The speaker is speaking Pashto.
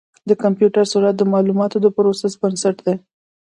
د کمپیوټر سرعت د معلوماتو د پروسس بنسټ دی.